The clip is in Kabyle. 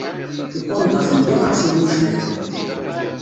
Ipandaten d iɣersiwen ucbiḥen.